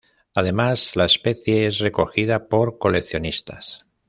Además, la especie es recogida por coleccionistas.